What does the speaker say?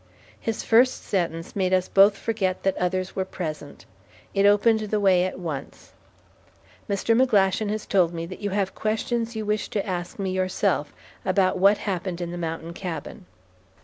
His first sentence made us both forget that others were present. It opened the way at once. "Mr. McGlashan has told me that you have questions you wish to ask me yourself about what happened in the mountain cabin."